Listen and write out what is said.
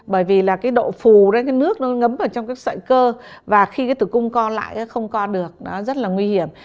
bởi vì là cái độ phù đấy cái nước nó ngấm vào trong cái sợi cơ và khi cái tử cung co lại nó không co được nó rất là nguy hiểm